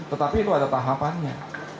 tetapi itu ada tahapannya